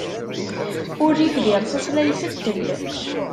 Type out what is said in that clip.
Urrif di rṣas la ifettel.